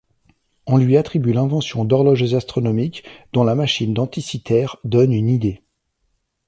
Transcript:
On lui attribue l'invention d'horloges astronomiques dont la machine d'Anticythère donne une idée.